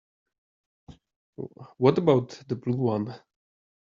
What about the blue one?